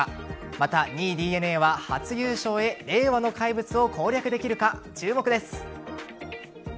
また、２位・ＤｅＮＡは初優勝へ令和の怪物を攻略できるか注目です。